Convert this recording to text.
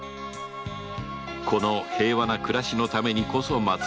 この平和な暮らしのためにこそ政はある